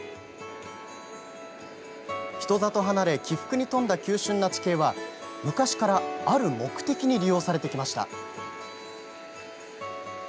人里離れ起伏に富んだ急しゅんな地形は昔から、ある目的に利用されてきました。